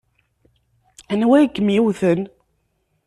Anwa ay kem-iwten?